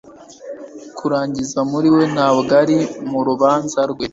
Kurangiza muri we ntabwo ari mu rubanza rwe